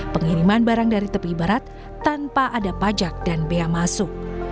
pengiriman barang dari tepi barat tanpa ada pajak dan bea masuk